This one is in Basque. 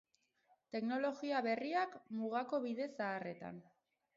Teknologia berriak mugako bide zaharretan.